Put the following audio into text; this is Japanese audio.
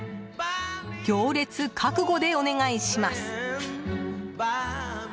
行列覚悟でお願いします。